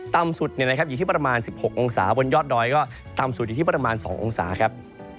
ต่ำสุดอยู่ที่ประมาณ๑๖องศาบนยอดดอยก็ต่ำสุดอยู่ที่ประมาณ๒องศาครับ